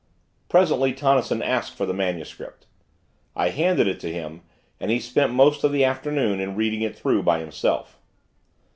Presently, Tonnison asked for the Manuscript: I handed it to him, and he spent most of the afternoon in reading it through by himself.